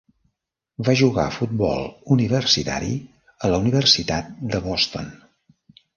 Va jugar a futbol universitari a la universitat de Boston.